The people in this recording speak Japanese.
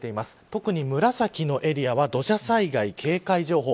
特に紫のエリアは土砂災害警戒情報